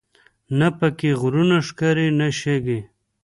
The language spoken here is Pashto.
نه په کې غرونه ښکاري نه شګې.